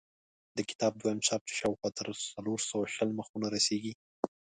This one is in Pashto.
د کتاب دویم چاپ چې شاوخوا تر څلور سوه شل مخونو رسېږي.